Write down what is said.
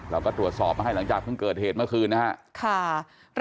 เราก็ตรวจสอบมาให้หลังจากเพิ่งเกิดเหตุเมื่อคืนนะครับ